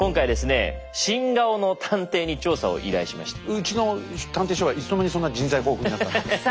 うちの探偵所はいつの間にそんな人材豊富になったんですか？